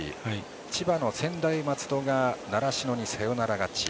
千葉の専大松戸が習志野にサヨナラ勝ち。